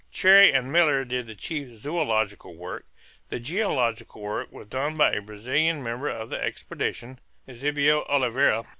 Cherrie and Miller did the chief zoological work. The geological work was done by a Brazilian member of the expedition, Euzebio Oliveira.